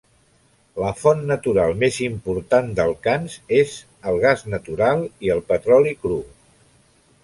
La font natural més important d'alcans és el gas natural i el petroli cru.